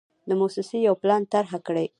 د موسسې یو پلان طرحه کړ.